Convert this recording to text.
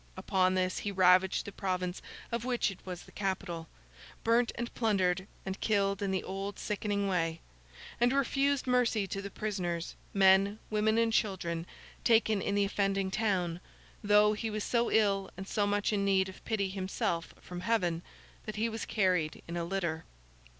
Upon this he ravaged the province of which it was the capital; burnt, and plundered, and killed in the old sickening way; and refused mercy to the prisoners, men, women, and children taken in the offending town, though he was so ill and so much in need of pity himself from Heaven, that he was carried in a litter.